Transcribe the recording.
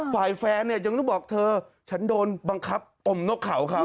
ฝ่ายแฟนเนี่ยยังต้องบอกเธอฉันโดนบังคับอมนกเขาเขา